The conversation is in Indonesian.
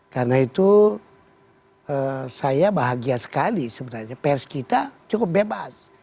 karena itu saya bahagia sekali sebenarnya pers kita cukup bebas